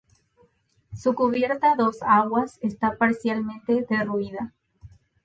Su cubierta a dos aguas está parcialmente derruida.